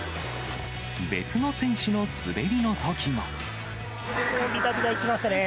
別の選手の滑りのときも。